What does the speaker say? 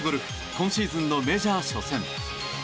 今シーズンのメジャー初戦。